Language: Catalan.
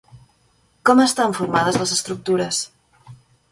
Com estan formades les estructures?